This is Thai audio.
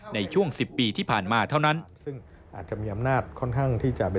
ในช่วง๑๐ปีที่ผ่านมาเท่านั้น